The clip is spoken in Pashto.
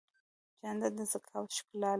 جانداد د ذکاوت ښکلا لري.